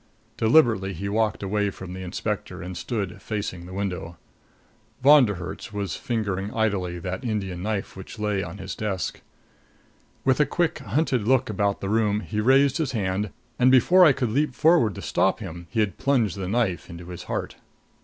Deliberately he walked away from the inspector, and stood facing the window. Von der Herts was fingering idly that Indian knife which lay on his desk. With a quick hunted look about the room, he raised his hand; and before I could leap forward to stop him he had plunged the knife into his heart.